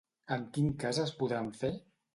En quin cas es podran fer?